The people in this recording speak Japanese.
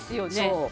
そう。